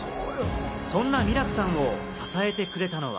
そんなミラクさんを支えてくれたのは。